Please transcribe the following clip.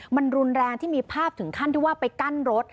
มันรุนแรงที่มีภาพถึงขั้นที่ว่าไปกั้นรถ